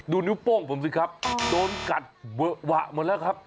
ดูนิ้วโป้งผมสิครับโดนกัดเวอะวะหมดแล้วครับ